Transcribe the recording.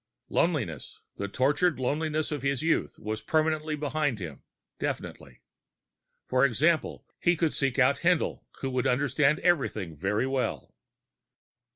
Loneliness, the tortured loneliness of his youth, was permanently behind him, definitely. For example, he could seek out Haendl, who would understand everything very well.